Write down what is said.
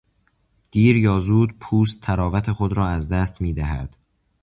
دیر یا زود پوست طراوت خود را از دست میدهد.